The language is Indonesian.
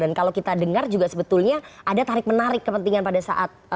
dan kalau kita dengar juga sebetulnya ada tarik menarik kepentingan pada saat